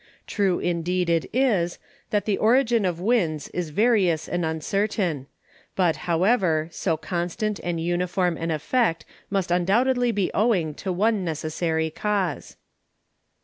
True indeed it is, that the Origin of Winds is various and uncertain, but however, so constant and uniform an Effect must undoubtedly be owing to one necessary Cause.